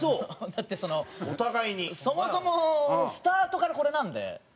だってそのそもそもスタートからこれなんで。